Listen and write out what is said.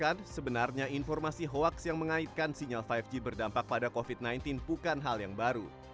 dan bahkan sebenarnya informasi hoax yang mengaitkan sinyal lima g berdampak pada covid sembilan belas bukan hal yang baru